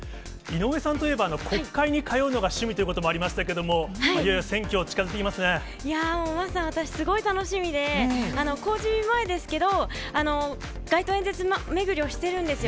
井上さんといえば国会に通うのが趣味ということもありましたけど、桝さん、私すごい楽しみで、公示前ですけど、街頭演説巡りをしているんですよ。